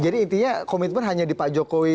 jadi intinya komitmen hanya di pak jokowi